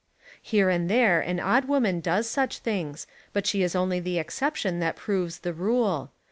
Here and there an odd woman does such things, but she Is only the exception that proves the rule.